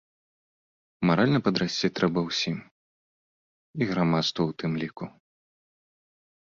Маральна падрасці трэба ўсім, і грамадству ў тым ліку.